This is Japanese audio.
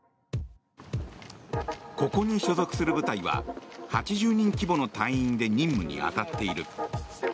ここに所属する部隊は８０人規模の隊員で任務に当たっている。